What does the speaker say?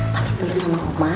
pake dulu sama oma